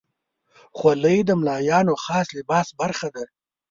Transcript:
خولۍ د ملایانو خاص لباس برخه ده.